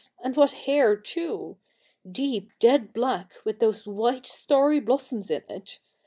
And what hair, too — deep dead black, with those white starry blossoms in it.